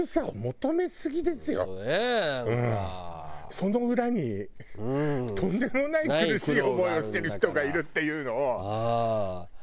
その裏にとんでもない苦しい思いをしてる人がいるっていうのを。